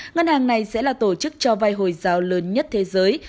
ngân hàng này sẽ là tổ chức cho vai hồi giáo lớn nhất thế giới